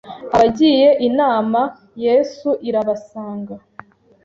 Abagiye inama, Yesu irabasanga